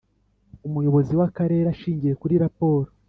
umuyobozi w Akarere ashingiye kuri raporo